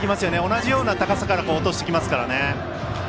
同じような高さから落としてきますからね。